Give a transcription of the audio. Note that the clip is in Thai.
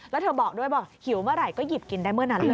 แล้วเธอบอกด้วยบอกหิวเมื่อไหร่ก็หยิบกินได้เมื่อนั้นเลย